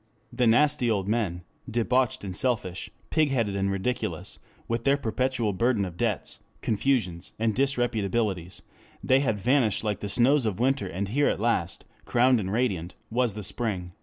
The nasty old men, debauched and selfish, pigheaded and ridiculous, with their perpetual burden of debts, confusions, and disreputabilities they had vanished like the snows of winter and here at last, crowned and radiant, was the spring."